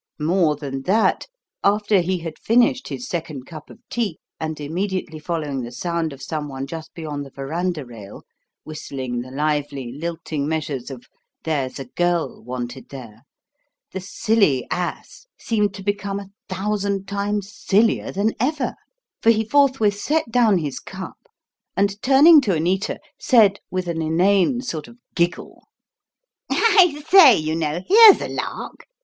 More than that; after he had finished his second cup of tea, and immediately following the sound of someone just beyond the verandah rail whistling the lively, lilting measures of "There's a Girl Wanted There" the "silly ass" seemed to become a thousand times sillier than ever; for he forthwith set down his cup, and, turning to Anita, said with an inane sort of giggle, "I say, you know, here's a lark.